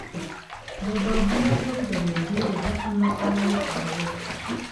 د بابونه ګل د معدې د زخم لپاره وکاروئ